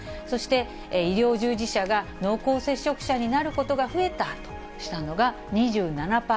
そして医療従事者が濃厚接触者になることが増えたとしたのが２７％。